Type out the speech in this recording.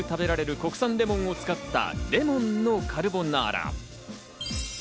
皮までおいしく食べられる国産レモンを使ったレモンのカルボナーラ。